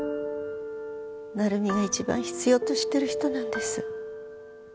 成美が一番必要としてる人なんです。